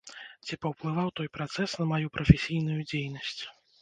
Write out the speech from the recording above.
Ці паўплываў той працэс на маю прафесійную дзейнасць?